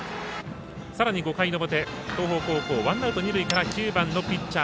さらに５回の表、東邦高校ワンアウト、二塁から９番のピッチャー